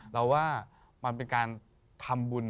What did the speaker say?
เราว่ามันเป็นการทำบุญ